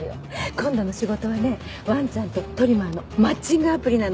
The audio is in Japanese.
今度の仕事はねわんちゃんとトリマーのマッチングアプリなの。